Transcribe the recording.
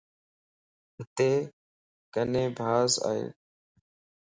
ھتي ڪِني ڀاسَ ئي.